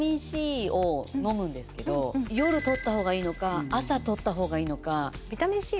夜取った方がいいのか朝取った方がいいのか。